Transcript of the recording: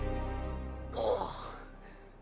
ああ。